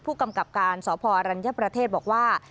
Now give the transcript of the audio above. ผู้กำกับการสพอรัญญประเทศบอกว่า